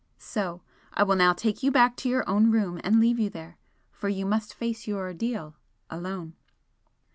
So I will now take you back to your own room and leave you there, for you must face your ordeal alone."